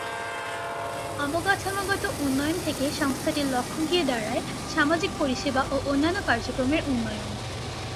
অবকাঠামোগত উন্নয়ন থেকে সংস্থাটির লক্ষ্য গিয়ে দাঁড়ায় সামাজিক পরিসেবা ও অন্যান্য কার্যক্রমের উন্নয়ন।